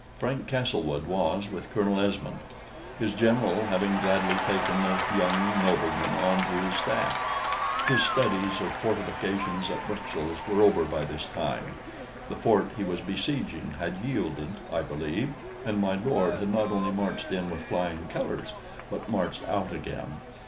Frank Castlewood was with Colonel Esmond; his General having gladly taken the young nobleman on to his staff. His studies of fortifications at Bruxelles were over by this time. The fort he was besieging had yielded, I believe, and my lord had not only marched in with flying colors, but marched out again.